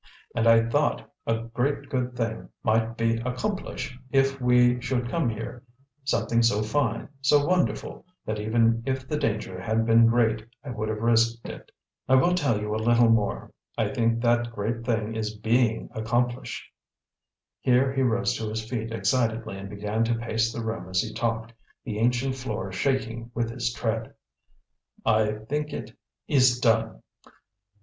And I thought a great good thing might be accomplish if we should come here, something so fine, so wonderful, that even if the danger had been great I would have risked it. I will tell you a little more: I think that great thing is BEING accomplish!" Here he rose to his feet excitedly and began to pace the room as he talked, the ancient floor shaking with his tread. "I think it is DONE!